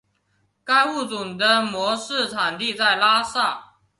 该物种的模式产地在拉萨。